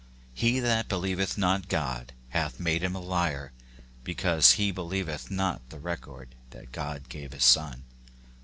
"He that believeth not God hath made him a liar ; be cause he believeth not the record that God gave of his Son."